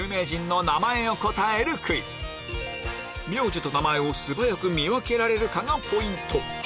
名字と名前を素早く見分けられるかがポイント